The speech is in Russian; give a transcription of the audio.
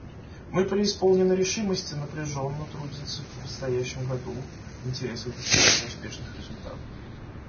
Мы преисполнены решимости напряженно трудиться в предстоящем году в интересах достижения успешных результатов.